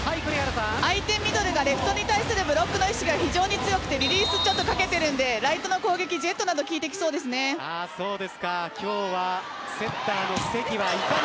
相手ミドルがレフトに対するブロックの意思が非常に強くてリリーフかけているのでライトの攻撃のジェットなど今日は、セッターの関はいかに。